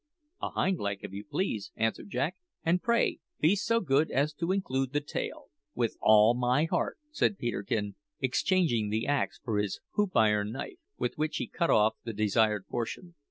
"A hind leg, if you please," answered Jack; "and, pray, be so good as to include the tail." "With all my heart," said Peterkin, exchanging the axe for his hoop iron knife, with which he cut off the desired portion.